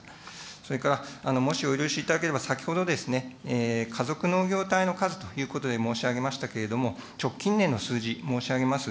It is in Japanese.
それから、もしお許しいただければ、先ほどですね、家族農業体の数ということで申し上げましたけれども、直近年の数字申し上げます。